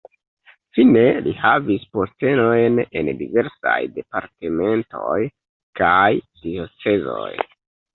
Fine li havis postenojn en diversaj departementoj kaj diocezoj.